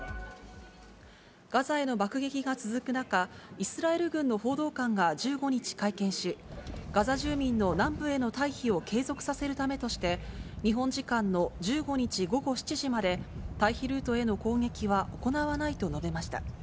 ガザへの爆撃が続く中、イスラエル軍の報道官が１５日会見し、ガザ住民の南部への退避を継続させるためとして、日本時間の１５日午後７時まで、退避ルートへの攻撃は行わないと述べました。